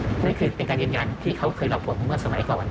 นั่นคือเป็นการยืนยันที่เขาเคยหลอกผมเมื่อสมัยก่อน